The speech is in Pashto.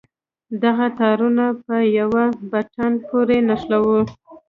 دغه تارونه په يوه بټن پورې نښلوو.